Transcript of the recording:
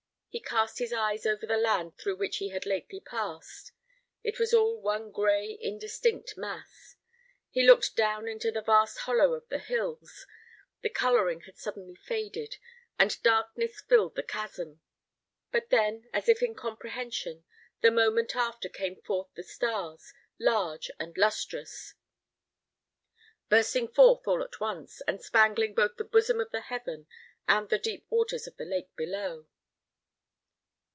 He cast his eyes over the land through which he had lately passed: it was all one gray, indistinct mass. He looked down into the vast hollow of the hills; the colouring had suddenly faded, and darkness filled the chasm. But then, as if in compensation, the moment after came forth the stars, large and lustrous, bursting forth all at once, and spangling both the bosom of the heaven and the deep waters of the lake below.